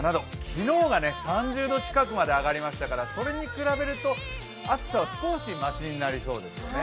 昨日が３０度近くまで上がりましたからそれに比べると暑さは少しましになりそうですよね。